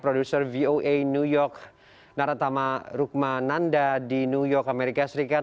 producer voa new york narathama rukmananda di new york amerika serikat